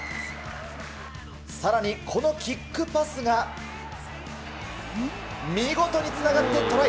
さらにこのキックパスが、見事につながってトライ。